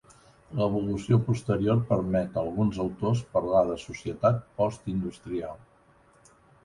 L'evolució posterior permet a alguns autors parlar de societat postindustrial.